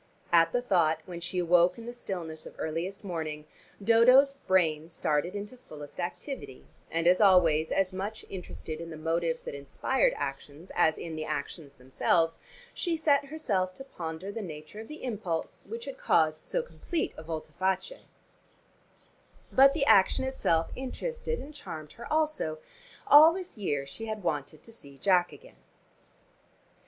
At the thought, when she woke in the stillness of earliest morning, Dodo's brain started into fullest activity, and, as always, as much interested in the motives that inspired actions as in the actions themselves, she set herself to ponder the nature of the impulse which had caused so complete a volte face. But the action itself interested and charmed her also: all this year she had wanted to see Jack again.